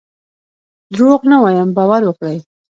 دروغ نه وایم باور وکړئ.